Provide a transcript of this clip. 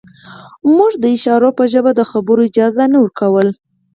موږ د اشارو په ژبه د خبرو اجازه نه ورکوله